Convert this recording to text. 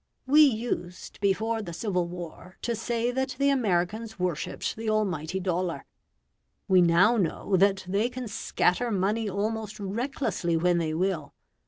We used before the civil war to say that the Americans worshipped the almighty dollar; we now know that they can scatter money almost recklessly when they will.